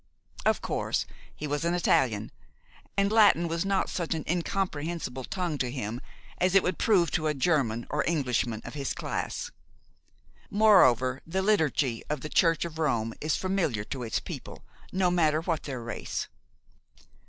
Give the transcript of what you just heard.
Of course, he was an Italian, and Latin was not such an incomprehensible tongue to him as it would prove to a German or Englishman of his class. Moreover, the liturgy of the Church of Rome is familiar to its people, no matter what their race.